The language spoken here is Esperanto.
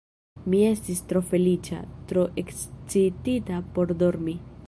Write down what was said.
Mi estis tro feliĉa, tro ekscitita por dormi.